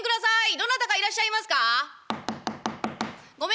どなたかいらっしゃいますか？」。